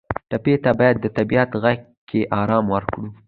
ټپي ته باید د طبیعت غېږ کې آرام ورکړو.